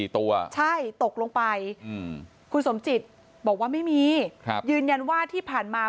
ตัวใช่ตกลงไปคุณสมจิตบอกว่าไม่มียืนยันว่าที่ผ่านมา